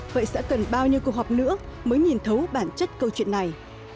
vậy sẽ cần bao nhiêu cuộc họp nữa mới nhìn thấu bản chất câu chuyện này